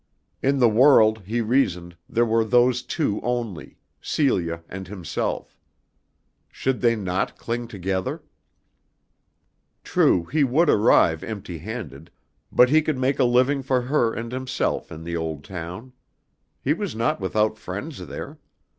In the world, he reasoned, there were those two only, Celia and himself. Should they not cling together? True, he would arrive empty handed, but he could make a living for her and himself in the old town. He was not without friends there.